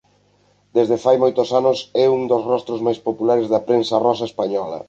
Desde fai moitos anos é un dos rostros máis populares da prensa rosa española.